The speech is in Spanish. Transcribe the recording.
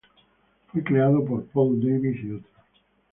Fue creado por Paul Davis y otros.